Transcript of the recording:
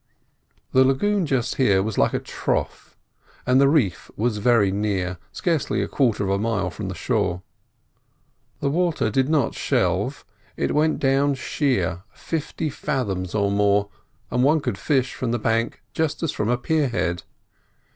The lagoon just here was like a trough, and the reef was very near, scarcely a quarter of a mile from the shore. The water did not shelve, it went down sheer fifty fathoms or more, and one could fish from the bank just as from a pier head.